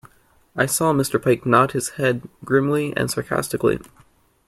I saw Mr Pike nod his head grimly and sarcastically.